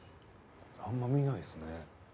あんま見ないですね。